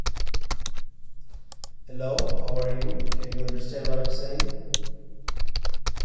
Finnish metal band "Nightwish" made a cover version of "Walking in the Air".